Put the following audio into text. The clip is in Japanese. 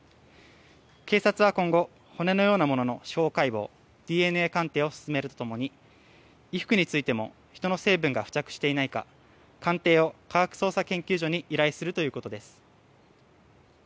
警察は今後、骨のようなものの司法解剖ＤＮＡ鑑定を進めるとともに衣服についても人の成分が付着していないか鑑定を科学捜査研究所に依頼するということです。